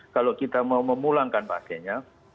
kalau kita mau memulangkan pasiennya